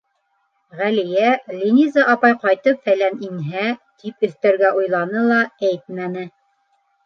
Ғәлиә «Линиза апай ҡайтып-фәлән инһә», тип өҫтәргә уйланы ла, әйтмәне.